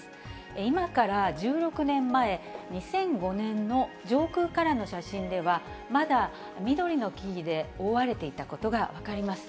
今から１６年前・２００５年の上空からの写真では、まだ緑の木々で覆われていたことが分かります。